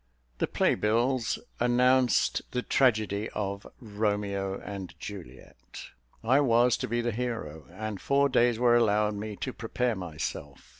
The play bills announced the tragedy of "Romeo and Juliet." I was to be the hero, and four days were allowed me to prepare myself.